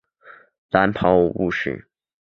蓝袍巫师。